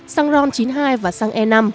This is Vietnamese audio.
săng ron chín mươi hai và săng e năm